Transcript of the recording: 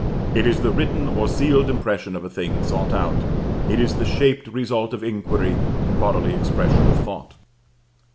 It is the written or sealed impression of a thing sought out, it is the shaped result of inquiry and bodily expression of thought.